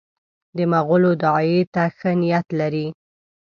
د مغولو داعیې ته ښه نیت لري.